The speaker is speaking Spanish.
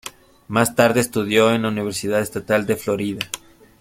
Más tarde, estudió en la Universidad Estatal de Florida.